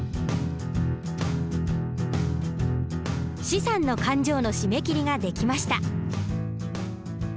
資産の勘定の締め切りができました。